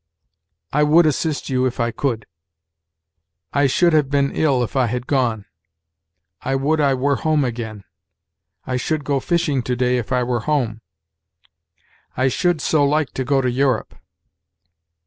"I would assist you if I could." "I should have been ill if I had gone." "I would I were home again!" "I should go fishing to day if I were home." "I should so like to go to Europe!"